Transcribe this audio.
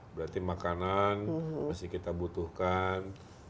berarti makanan masih kita butuhkan